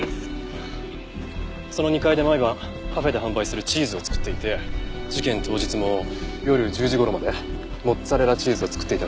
その２階で毎晩カフェで販売するチーズを作っていて事件当日も夜１０時頃までモッツァレラチーズを作っていたらしいです。